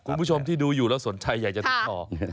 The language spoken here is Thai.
คุณผู้ชมที่ดูอยู่แล้วสนใจอยากจะติดต่อ